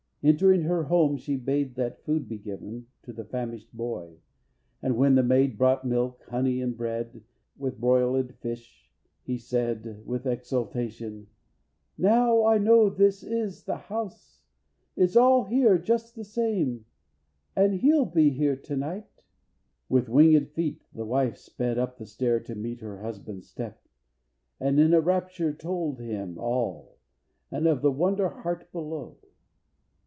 Entering her home, she bade that food be given The famished boy; and when the maid brought milk, Honey and bread with broilëd fish, he said, With exultation: "Now I know this is The house it's all here just the same, and He'll Be here to night." With wingëd feet the wife Sped up the stair to meet her husband's step, And in a rapture told him all, and of The wonder heart below.